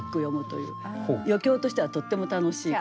余興としてはとっても楽しい。